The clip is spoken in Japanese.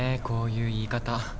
こういう言い方。